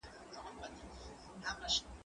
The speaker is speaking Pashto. هغه وويل چي قلم ضروري دی؟!